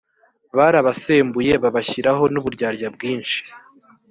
barabasembuye babashyiraho n’uburyarya bwinshi.